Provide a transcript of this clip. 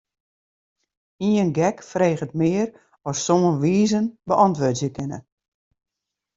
Ien gek freget mear as sân wizen beäntwurdzje kinne.